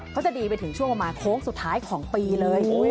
เขาจะดีไปถึงช่วงประมาณโค้งสุดท้ายของปีเลย